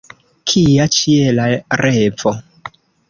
Kia ĉiela revo!